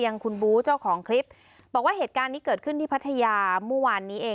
ยังคุณบู๊เจ้าของคลิปบอกว่าเหตุการณ์นี้เกิดขึ้นที่พัทยา